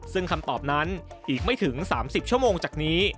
ซึ่งคำตอบนั้นอีกไม่ถึง๓๐ชั่วโมงจากนี้